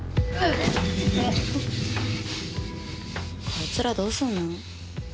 こいつらどうするの？